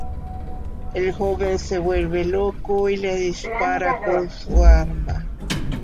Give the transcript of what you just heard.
El joven se vuelve loco y le dispara con su arma.